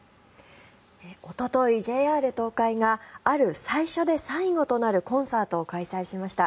おととい、ＪＲ東海がある最初で最後となるコンサートを開催しました。